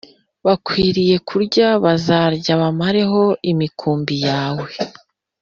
bakwiriye kurya Bazarya bamareho imikumbi yawe